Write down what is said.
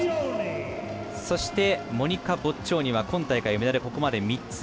そして、モニカ・ボッジョーニは今大会メダルここまで３つ。